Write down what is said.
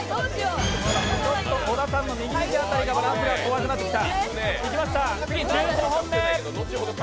ちょっと小田さんの右肘辺りがバランスが危うくなってきた。